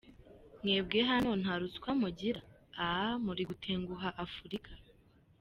Mwebwe hano nta ruswa mugira? Aaah muri gutenguha Afurika.